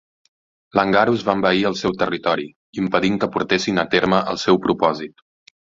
Langarus va envair el seu territori, impedint que portessin a terme el seu propòsit.